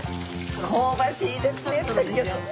香ばしいですねすっ